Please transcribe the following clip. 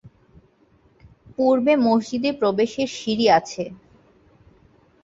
পুর্বে মসজিদে প্রবেশের সিঁড়ি আছে।